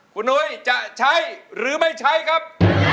คุณนุ้ยจะใช้หรือไม่ใช้ครับ